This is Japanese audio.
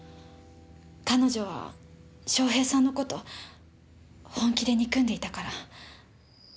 彼女は翔平さんの事本気で憎んでいたから。